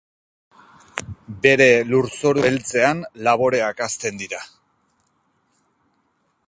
Bere lurzoru beltzean laboreak hazten dira.